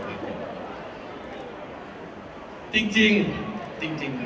เสียงปลดมือจังกัน